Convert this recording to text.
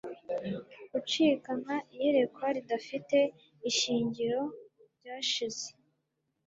Gucika nka iyerekwa ridafite ishingiro ryashize